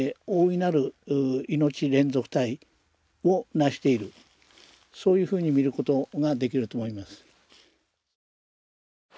いのち連続体を成しているそういうふうに見ることができると思います。